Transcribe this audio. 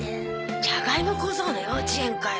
じゃがいも小僧の幼稚園かよ。